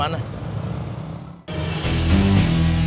kayak muat mana